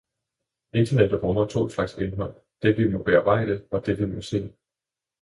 internettet rummer to slags indhold, det vi må bearbejde og det vi må se.